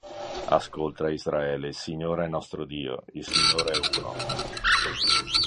Ascolta Israele il Signore è nostro Dio, il Signore è Uno'.